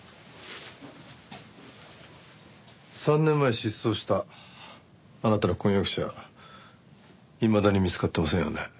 ３年前失踪したあなたの婚約者いまだに見つかってませんよね。